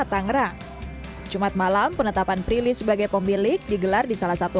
tangerang jumat malam penetapan prilly sebagai pemilik digelar di salah satu